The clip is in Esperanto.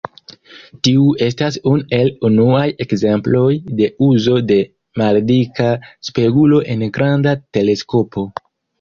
Tiu estas unu el unuaj ekzemploj de uzo de maldika spegulo en granda teleskopo.